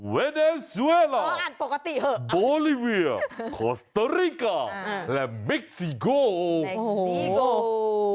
เวเดสเวลาบอลิเวียคอสเตอริกาและเม็กซีโก้อ๋อเหรอ